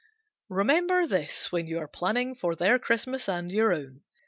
Remember this when you are planning for their Christmas and your own.